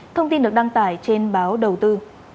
thông tin được đăng tải trên báo đầu tư